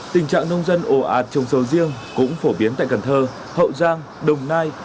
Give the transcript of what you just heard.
tình trạng nông dân ổ ạt trồng sầu riêng cũng phổ biến tại cần thơ hậu giang đồng nai